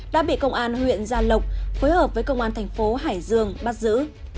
đã bị công an huyện gia lộc phối hợp với công an thành phố hải dương bắt giữ